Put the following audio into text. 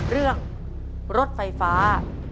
เรื่องรถไฟฟ้า